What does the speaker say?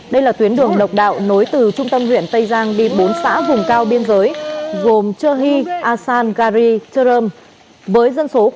đây là tuyến đường độc đạo nối từ trung tâm huyện tây giang đi bốn xã vùng cao biên giới